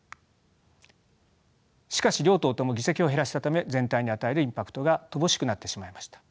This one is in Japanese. しかし両党とも議席を減らしたため全体に与えるインパクトが乏しくなってしまいました。